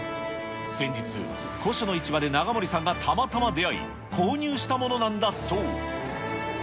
先日、古書の市場で永森さんがたまたま出会い、購入したものなんだそう。